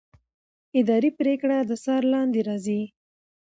اداري پرېکړه د څار لاندې راځي.